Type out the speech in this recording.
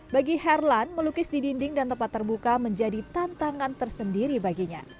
bagi herlan melukis di dinding dan tempat terbuka menjadi tantangan tersendiri baginya